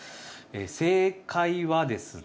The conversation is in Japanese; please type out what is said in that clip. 正解はですね